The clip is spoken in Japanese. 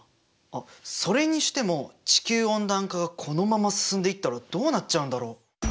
それにしても地球温暖化がこのまま進んでいったらどうなっちゃうんだろう？